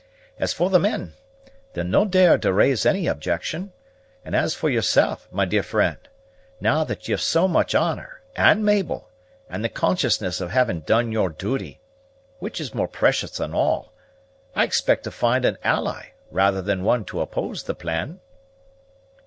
As for the men, they'll no dare to raise any objaction; and as for yoursal', my dear friend, now that ye've so much honor, and Mabel, and the consciousness of having done yer duty, which is more precious than all, I expect to find an ally rather than one to oppose the plan."